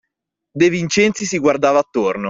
De Vincenzi si guardava attorno.